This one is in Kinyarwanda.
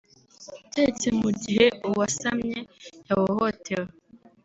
keretse mu gihe uwasamye yahohotewe